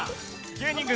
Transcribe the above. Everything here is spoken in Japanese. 芸人軍